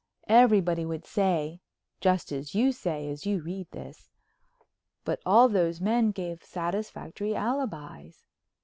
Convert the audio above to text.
Everybody would say—just as you say as you read this—"but all those men gave satisfactory alibis."